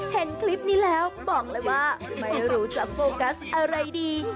เห็นคลิปนี้แล้วบอกเลยว่าไม่รู้จะโฟกัสอะไรดี